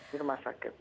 di rumah sakit